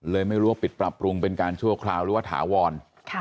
เลยไม่รู้ว่าปิดปรับปรุงเป็นการชั่วคราวหรือว่าถาวร